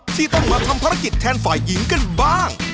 ที่ต้องมาทำภารกิจแทนฝ่ายหญิงกันบ้าง